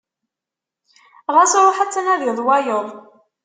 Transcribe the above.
Ɣas ruḥ ad tnadiḍ wayeḍ.